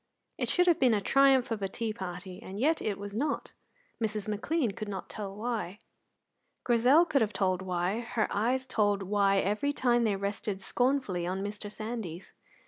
It should have been a triumph of a tea party, and yet it was not. Mrs. McLean could not tell why. Grizel could have told why; her eyes told why every time they rested scornfully on Mr. Sandys.